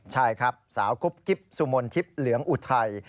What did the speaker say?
ใช่ครับสาวกุ๊บกิ๊บสุมนทิพย์เหลืองอุทัย